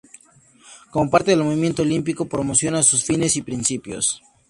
Como parte del movimiento olímpico promociona sus fines y principios.